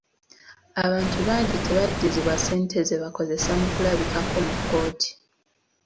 Abantu bangi tebaddizibwa ssente ze bakozesa mu kulabikako mu kkooti.